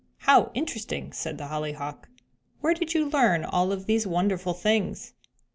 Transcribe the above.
"How interesting!" said the Hollyhock. "Where did you learn all of these wonderful things?"